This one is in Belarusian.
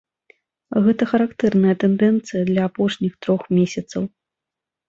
Гэта характэрная тэндэнцыя для апошніх трох месяцаў.